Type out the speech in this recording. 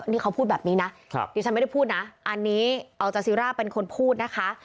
นี่เขาพูดแบบนี้นะดิฉันไม่ได้พูดนะอันนี้อัลจาซีร่าเป็นคนพูดนะคะ